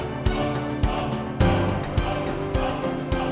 semua kebohongan mbak